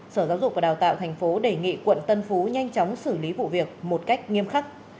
sở giáo dục và đào tạo tp đề nghị quận tân phú nhanh chóng xử lý vụ việc một cách nghiêm khắc